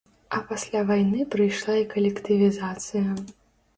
А пасля вайны прыйшла і калектывізацыя.